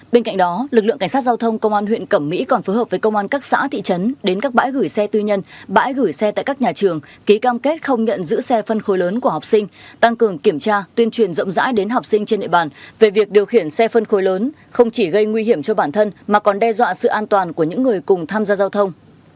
bên cạnh đó lực lượng cảnh sát giao thông công an huyện cẩm mỹ còn phối hợp với công an các xã thị trấn đến các bãi gửi xe tư nhân bãi gửi xe tại các nhà trường ký cam kết không nhận giữ xe phân khối lớn của học sinh tăng cường kiểm tra tuyên truyền rộng rãi đến học sinh trên địa bàn về việc điều khiển xe phân khối lớn không chỉ gây nguy hiểm cho bản thân mà còn đe dọa sự an toàn của những người cùng tham gia giao thông